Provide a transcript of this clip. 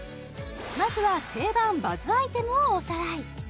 まずは定番バズアイテムをおさらい